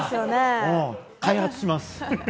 開発します。